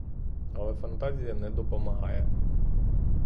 Але фантазія не допомагає.